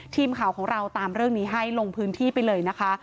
ทีมข่าวของเราตามเรื่องนี้ให้ลงพื้นที่ไปเลยนะคะ